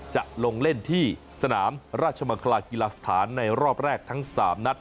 จะลงเล่นที่สนามราชมังคลากีฬาสถานในรอบแรกทั้ง๓นัด